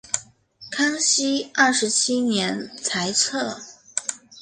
康熙二十七年裁撤。